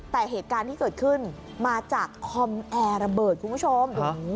แต่เหตุการณ์ที่เกิดขึ้นมาจากคอมแอร์ระเบิดคุณผู้ชม